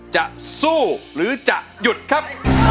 จะสู้หรือจะหยุดครับ